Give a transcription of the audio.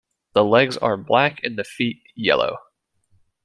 The legs are black and the feet yellow.